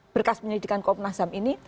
berkas penyelidikan komnas ham ini